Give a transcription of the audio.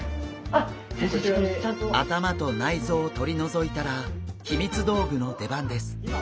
頭と内臓を取り除いたら秘密道具の出番です！